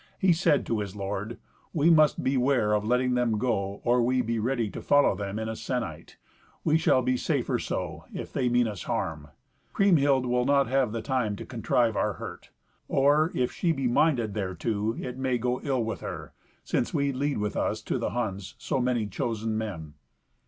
He said to his lord, "We must beware of letting them go or we be ready to follow them, in a sennight. We shall be safer so, if they mean us harm. Kriemhild will not have the time to contrive our hurt. Or, if she be minded thereto, it may go ill with her, since we lead with us to the Huns so many chosen men."